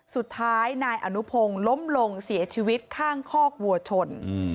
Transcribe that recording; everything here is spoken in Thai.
สุดท้ายนายอนุพงศ์ล้มลงเสียชีวิตข้างคอกวัวชน